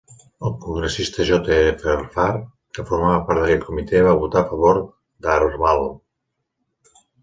El congressista, John R. Farr, que formava part d'aquell comitè, va votar a favor d'Archbald.